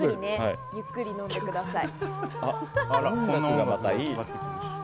ゆっくり飲んでください。